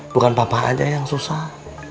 bukan papa aja yang susah